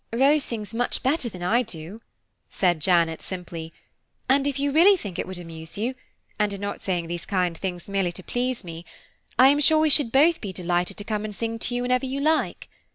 "Rose sings much better than I do," said Janet simply, "and if you really think it would amuse you, and are not saying these kind things merely to please me, I am sure we should both be delighted to come and sing to you whenever you like.